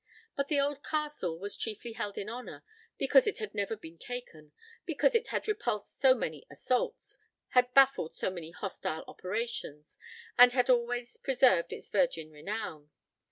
But the old castle was chiefly held in honour because it had never been taken, because it had repulsed so many assaults, had baffled so many hostile operations, and had always preserved its virgin renown.